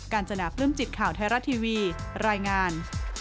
การจนาภรึ่มจิตข่าวไทยรัฐทีวีรายงาน